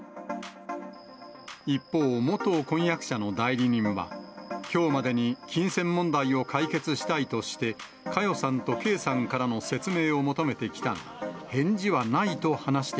一方、元婚約者の代理人は、きょうまでに金銭問題を解決したいとして、佳代さんと圭さんからの説明を求めてきたが、返事はないと話して